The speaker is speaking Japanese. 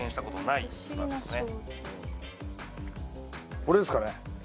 これですかね？